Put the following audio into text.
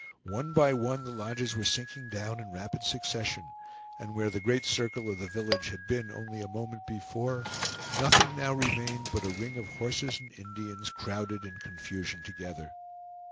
One by one the lodges were sinking down in rapid succession, and where the great circle of the village had been only a moment before, nothing now remained but a ring of horses and Indians, crowded in confusion together.